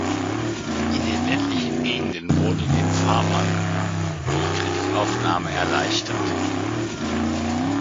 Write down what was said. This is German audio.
In den ländlichen Gegenden wurde den Farmern die Kreditaufnahme erleichtert.